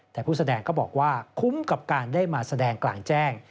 แต่ผู้แสดงก็บอกว่าคุ้มกับการได้มาแสดงกลางแจ้ง